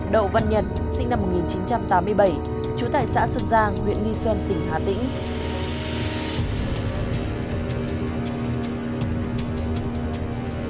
đậu văn nhật sinh năm một nghìn chín trăm tám mươi bảy trú tại xã xuân giang huyện nghi xuân tỉnh hà tĩnh